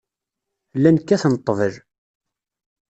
Llan kkaten ḍḍbel.